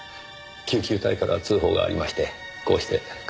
救急隊から通報がありましてこうして駆けつけました。